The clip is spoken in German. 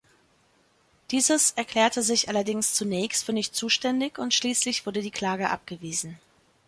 Dieses erklärte sich allerdings zunächst für nicht zuständig und schließlich wurde die Klage abgewiesen.